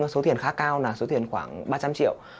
số tiền khá cao là số tiền khoảng ba trăm linh triệu